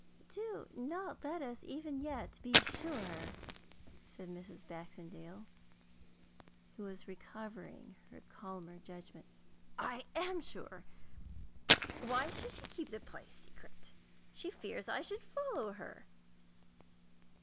'Do not let us even yet be sure,' said Mrs. Baxendale, who was recovering her calmer judgment. 'I am sure! Why should she keep the place secret? She fears that I should follow her?